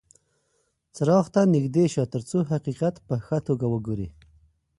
څراغ ته نږدې شه ترڅو حقیقت په ښه توګه وګورې.